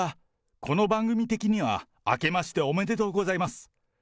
この番組的にはあけましておめでとうございます。